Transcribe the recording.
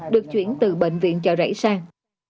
được chuyển từ bệnh viện chợ rẫy sang